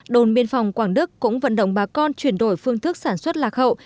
đồn biên phòng quảng đức cũng vận động bà con chuyển đổi phương thức sản xuất lạc hậu